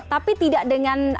tapi tidak dengan